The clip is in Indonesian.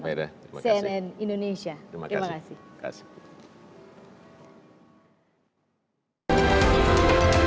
beda terima kasih